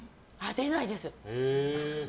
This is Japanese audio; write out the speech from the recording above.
出ないです。